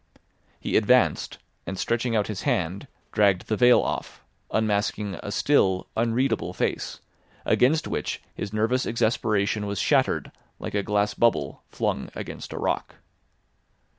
He advanced, and stretching out his hand, dragged the veil off, unmasking a still, unreadable face, against which his nervous exasperation was shattered like a glass bubble flung against a rock.